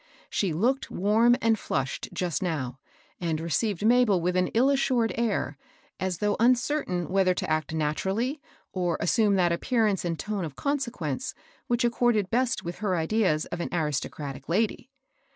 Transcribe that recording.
She looked warm and flushed jnst now, and received Mabel with an ill assmred air, as though uncertain whether to act naturally or as sume that appearance and tone of consequence which accorded best with her ideas of an aristo cratic lady.